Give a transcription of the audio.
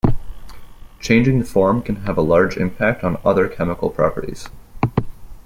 Changing the form can have a large impact on other chemical properties.